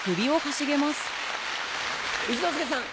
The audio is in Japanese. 一之輔さん。